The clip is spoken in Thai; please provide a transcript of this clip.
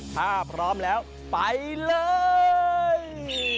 ถ้าพร้อมแล้วไปเลย